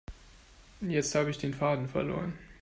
Jetzt habe ich den Faden verloren.